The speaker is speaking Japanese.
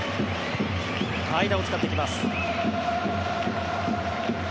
間を使っていきます。